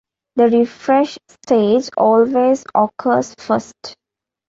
The refresh stage always occurs first.